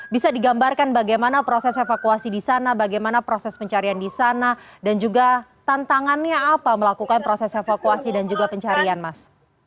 bisa digambarkan bagaimana proses evakuasi di sana bagaimana proses pencarian di sana dan juga tantangannya apa melakukan proses evakuasi dan juga pencarian mas